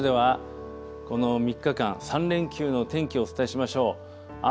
それではこの３日間、３連休の天気お伝えしましょう。